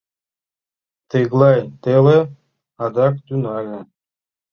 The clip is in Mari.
Тыглай теле адак тӱҥале.